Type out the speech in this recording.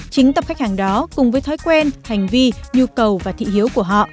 chính tập khách hàng đó cùng với thói quen hành vi nhu cầu và thị hiếu của họ